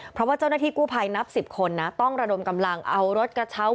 เพราะว่าเจ้าหน้าที่กู้ภัยนับ๑๐คนนะต้องระดมกำลังเอารถกระเช้า